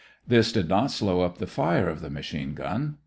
This did not slow up the fire of the machine gun.